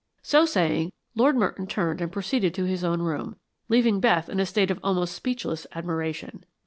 So saying, Lord Merton turned and proceeded to his own room, leaving Beth in a state of almost speechless admiration.